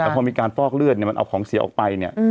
พอมีการพวกเลือดมันเอาของเสียออกไปเนี่ย